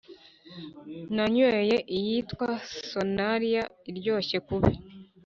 Nanyweye iyitwa Sonalia iryoshye kubi